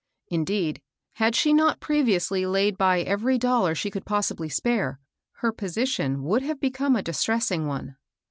Indeed, had she not previously laid by every dollar she could possibly spare, her position would have become a distressing one.